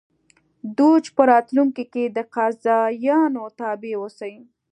دوج په راتلونکي کې د قاضیانو تابع اوسي.